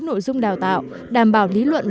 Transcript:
nội dung đào tạo đảm bảo lý luận